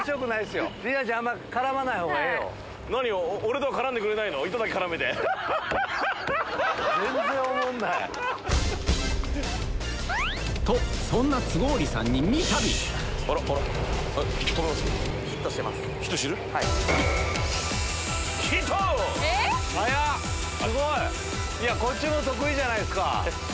すごい！こっちも得意じゃないですか。